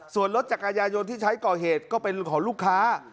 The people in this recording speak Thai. ส่วนรถจักรยายนที่ใช้ก่อเหตุก็เป็นของลูกค้า